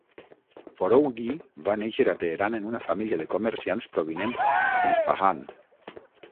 Foroughi va néixer a Teheran en una família de comerciants provinents d'Isfahan.